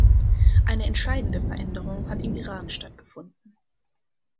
Eine entscheidende Veränderung hat im Iran stattgefunden.